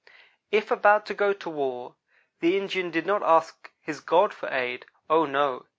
If about to go to war, the Indian did not ask his God for aid oh, no.